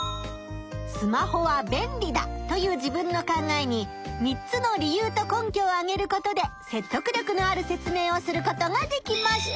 「スマホは便利だ」という自分の考えに３つの理由と根拠をあげることでせっとく力のある説明をすることができました。